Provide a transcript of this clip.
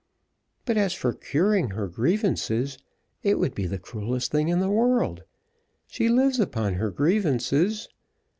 But as for curing her grievances, it would be the cruellest thing in the world. She lives upon her grievances.